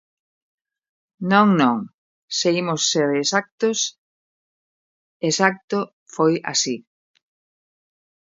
Non, non, se imos ser exactos, exacto foi así.